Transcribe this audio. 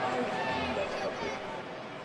Il l'a frappé.